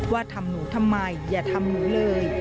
ว่าทำหนูทำไมอย่าทำหนูเลย